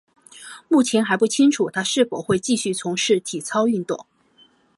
目前还不清楚她是否会继续从事体操运动。